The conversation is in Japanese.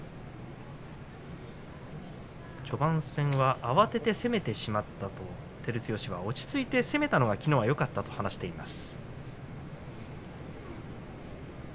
序盤戦は慌てて攻めてしまったと照強は落ち着いて攻めたのがきのうはよかったと話しています。